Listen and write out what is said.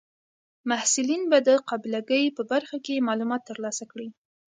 محصلین به د قابله ګۍ په برخه کې معلومات ترلاسه کړي.